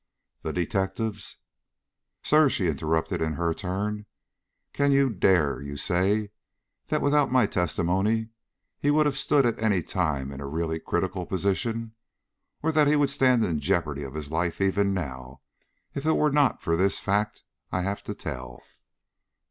The detectives " "Sir," she interrupted in her turn, "can you, dare you say, that without my testimony he would have stood at any time in a really critical position? or that he would stand in jeopardy of his life even now, if it were not for this fact I have to tell?"